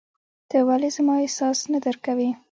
ته ولي زما احساس نه درکوې !